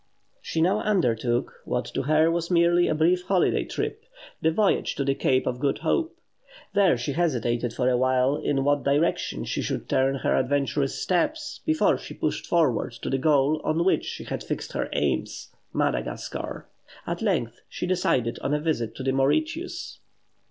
She now undertook what to her was merely a brief holiday trip the voyage to the Cape of Good Hope. There she hesitated for a while in what direction she should turn her adventurous steps before she pushed forward to the goal on which she had fixed her aims Madagascar. At length she decided on a visit to the Mauritius.